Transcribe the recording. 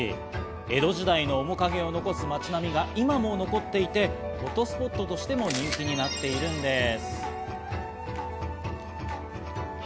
江戸時代の面影を残す町並みが今も残っていて、フォトスポットとしても人気になっているんです。